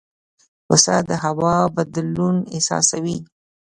پسه د هوا بدلون احساسوي.